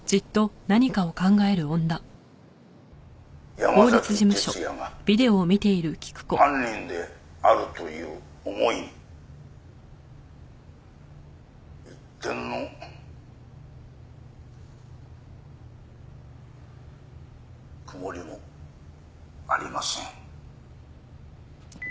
「山崎哲也が犯人であるという思いに一点の曇りもありません」